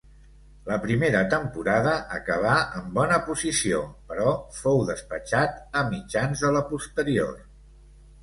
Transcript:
La primera temporada acabà en bona posició, però fou despatxat a mitjans de la posterior.